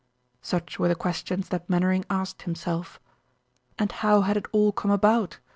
Such were the questions that Mainwaring asked himself. And how had it all come about?